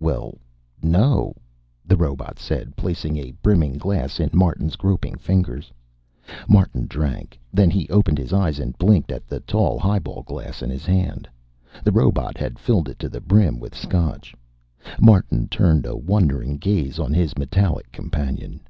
"Well, no," the robot said, placing a brimming glass in Martin's groping fingers. Martin drank. Then he opened his eyes and blinked at the tall highball glass in his hand. The robot had filled it to the brim with Scotch. Martin turned a wondering gaze on his metallic companion.